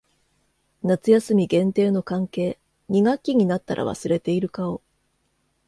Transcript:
夏休み限定の関係。二学期になったら忘れている顔。